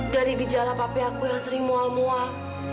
dari gejala papi aku yang sering mual mual